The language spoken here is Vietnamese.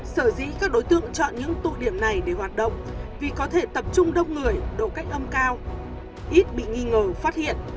sở dĩ các đối tượng chọn những tụ điểm này để hoạt động vì có thể tập trung đông người độ cách âm cao ít bị nghi ngờ phát hiện